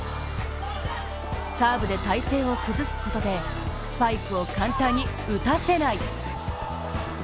サーブで体勢を崩すことでスパイクを簡単に打たせない。